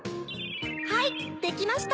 はいできました！